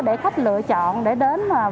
để khách lựa chọn để đến